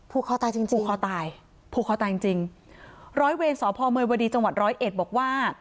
คอตายจริงผูกคอตายผูกคอตายจริงจริงร้อยเวรสพเมยวดีจังหวัดร้อยเอ็ดบอกว่า